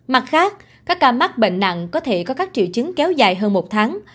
mặt khác các ca mắc bệnh nặng có thể có các triệu chứng kéo dài hơn một tháng